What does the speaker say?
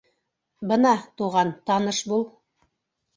— Бына, туған, таныш бул.